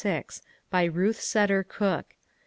By Ruth Seder Cooke.